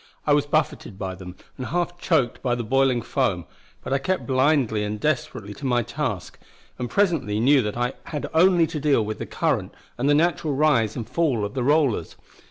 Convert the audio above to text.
I was buffeted by them, and half choked by the boiling foam; but I kept blindly and desperately to my task, and presently knew that I had only to deal with the current and the natural rise and fall of the rollers.